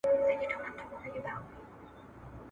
هغه هرڅه د دې زرکي برکت وو ..